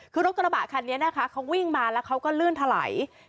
คือรถกระบะคันนี้นะคะเขาวิ่งมาแล้วเขาก็ลื่นถลาย